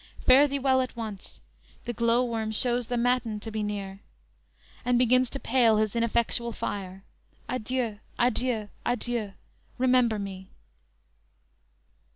Fare thee well at once! The glow worm shows the matin to be near, And begins to pale his ineffectual fire! Adieu! adieu! adieu! remember me!"